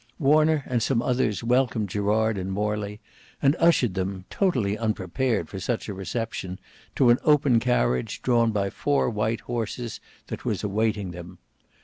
Warner and some others welcomed Gerard and Morley, and ushered them, totally unprepared for such a reception, to an open carriage drawn by four white horses that was awaiting them.